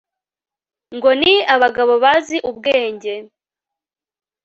ngo ni abagabo bazi ubwenge